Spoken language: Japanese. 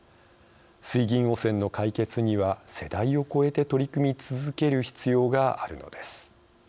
水銀汚染の解決には世代を超えて取り組み続ける必要があるのです。